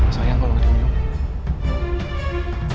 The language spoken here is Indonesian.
sayang kalau gak diminum